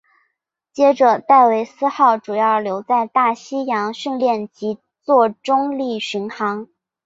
接着戴维斯号主要留在大西洋训练及作中立巡航。